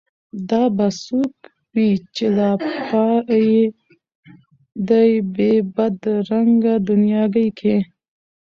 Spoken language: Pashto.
دا به څوک وي چي لا پايي دې بې بد رنګه دنیاګۍ کي